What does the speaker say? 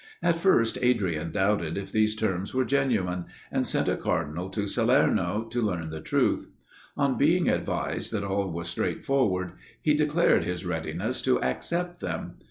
At first Adrian doubted if these terms were genuine, and sent a cardinal to Salerno, to learn the truth. On being advised that all was straightforward, he declared his readiness to accept them.